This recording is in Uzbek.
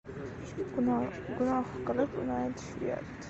• Gunoh qilib, uni aytish — uyat.